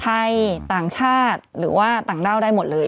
ต่างชาติหรือว่าต่างด้าวได้หมดเลย